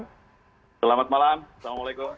selamat malam assalamualaikum